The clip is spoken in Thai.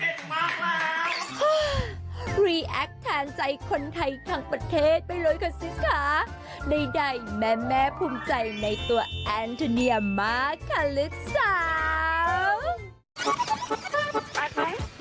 แม่เก็บมากแล้วฮึแทนใจคนไทยทั้งประเทศไปเลยค่ะสิทธิ์ค่ะได้ได้แม่แม่ภูมิใจในตัวแอนโทเนียมากค่ะลูกสาว